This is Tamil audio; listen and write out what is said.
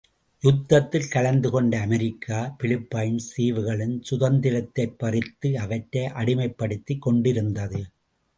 யுத்தத்தில் கலந்துகொண்ட அமெரிக்கா, பிலிப்பைன்ஸ் தீவுகளின் சுதந்திரத்தைப்பறித்து அவற்றை அடிமைப்படுத்திக் கொண்டிருந்தது.